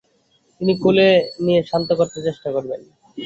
তিনি কোলে নিয়ে শান্ত করতে চেষ্টা করবেন।